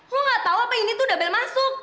lo gak tau apa ini tuh udah bel masuk